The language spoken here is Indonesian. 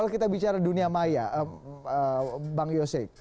kita bicara dunia maya bang yose